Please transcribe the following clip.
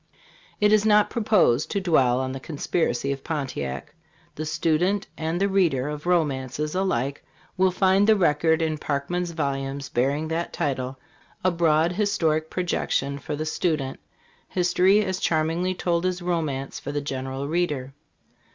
It is not proposed to dwell on the Conspiracy of Pontiac. The stu dent and the reader of romances alike will find the record in Parkman's vol umes bearing that title: a broad historic projection for the student; history as charmingly told as romance for the general reader.